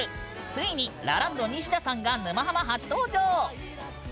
ついにラランド、ニシダさんが「沼ハマ」初登場。